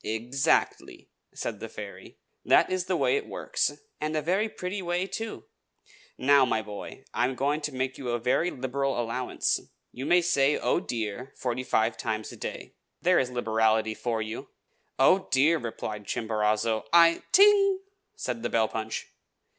"Exactly!" said the fairy. "That is the way it works, and a very pretty way, too. Now, my boy, I am going to make you a very liberal allowance. You may say 'Oh, dear!' forty five times a day. There's liberality for you!" "Oh, dear!" cried Chimborazo, "I " "Ting!" said the bell punch.